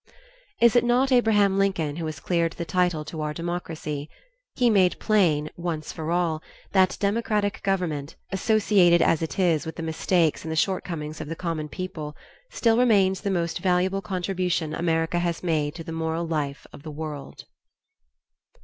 Is it not Abraham Lincoln who has cleared the title to our democracy? He made plain, once for all, that democratic government, associated as it is with all the mistakes and shortcomings of the common people, still remains the most valuable contribution America has made to the moral life of the world.